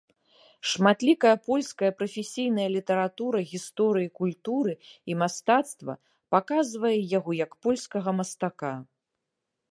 Шматлікая польская прафесійная літаратура гісторыі культуры і мастацтва паказвае яго як польскага мастака.